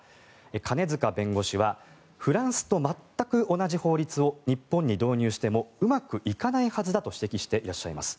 金塚弁護士はフランスと全く同じ法律を日本に導入してもうまくいかないはずだと指摘しています。